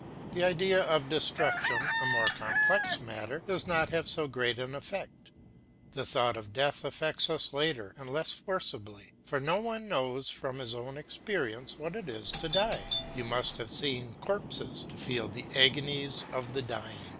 The idea of destruction, a more complex matter, does not have so great an effect; the thought of death affects us later and less forcibly, for no one knows from his own experience what it is to die; you must have seen corpses to feel the agonies of the dying.